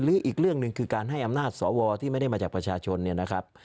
อีกเรื่องหนึ่งคือการให้อำนาจสวที่ไม่ได้มาจากประชาชนเนี่ยนะครับ